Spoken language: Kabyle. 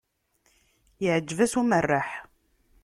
Iεǧeb-as umerreḥ.